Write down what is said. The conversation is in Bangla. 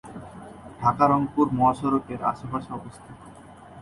ঢাকা-রংপুর মহাসড়কের পাশে অবস্থিত।